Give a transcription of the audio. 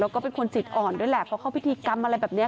แล้วก็เป็นคนจิตอ่อนด้วยแหละเพราะเข้าพิธีกรรมอะไรแบบนี้